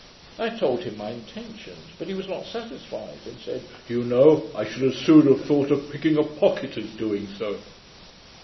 I told him my intentions, but he was not satisfied, and said, 'Do you know, I should as soon have thought of picking a pocket, as doing so.'